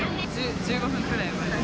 １５分くらい前に。